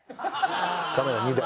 カメラ２台。